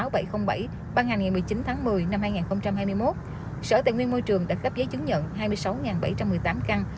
ban ngày một mươi chín tháng một mươi năm hai nghìn hai mươi một sở tài nguyên môi trường đã cấp giấy chứng nhận hai mươi sáu bảy trăm một mươi tám căn